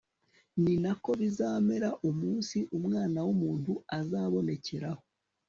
ni na ko bizamera umunsi umwana w'umuntu azabonekeraho